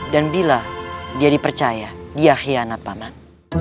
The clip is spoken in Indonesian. dan bila dia dipercaya dia khianat paman